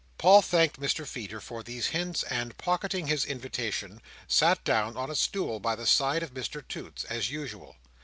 Paul thanked Mr Feeder for these hints, and pocketing his invitation, sat down on a stool by the side of Mr Toots, as usual.